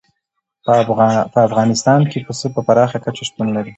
په افغانستان کې پسه په پراخه کچه شتون لري.